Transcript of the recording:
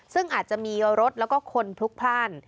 ซึ่งอาจจะมีรถแล้วก็คนพลุกพลาด